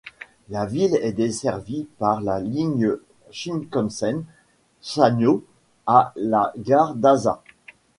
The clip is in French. La ville est desservie par la ligne Shinkansen Sanyō à la gare d'Asa.